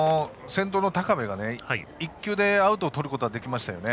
先頭の高部を１球でアウトにとることができましたよね。